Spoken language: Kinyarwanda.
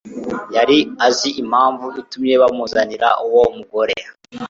Yari azi impamvu itumye bamuzanira uwo mugore.